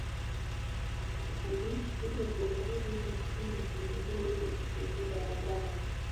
wanaishi Ujerumani na nchi nyingine za Ulaya